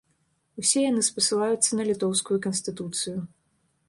Усе яны спасылаюцца на літоўскую канстытуцыю.